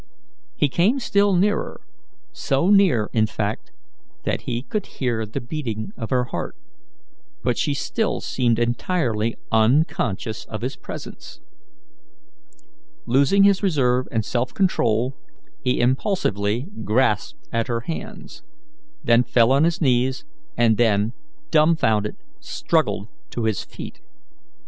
He came still nearer so near, in fact, that he could hear the beating of her heart but she still seemed entirely unconscious of his presence. Losing his reserve and self control, he impulsively grasped at her hands, then fell on his knees, and then, dumfounded, struggled to his feet.